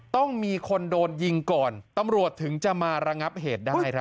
ต้องมีคนโดนยิงก่อนตำรวจถึงจะมาระงับเหตุได้ครับ